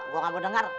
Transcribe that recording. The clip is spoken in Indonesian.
gue gak mau denger